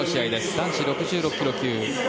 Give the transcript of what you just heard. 男子６６ｋｇ級。